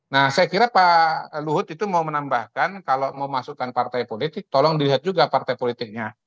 nah saya kira pak luhut itu mau menambahkan kalau mau masukkan partai politik tolong dilihat juga partai politiknya